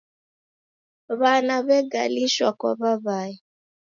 W'ana w'egalishwa kwa w'aw'ae.